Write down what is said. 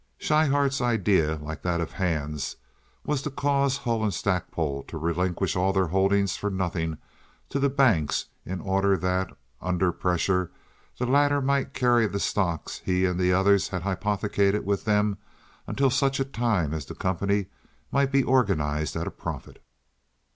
Schryhart's idea, like that of Hand, was to cause Hull & Stackpole to relinquish all their holdings for nothing to the banks in order that, under pressure, the latter might carry the stocks he and the others had hypothecated with them until such a time as the company might be organized at a profit.